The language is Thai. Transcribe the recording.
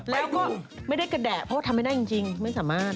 แล้วก็ไม่ได้กระแดะเพราะว่าทำไม่ได้จริงไม่สามารถ